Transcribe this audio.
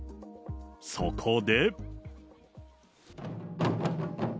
そこで。